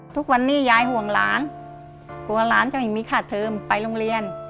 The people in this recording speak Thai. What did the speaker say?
ทุกวันนี้ยายห่วงหลานกลัวหลานจะไม่มีค่าเทิมไปโรงเรียน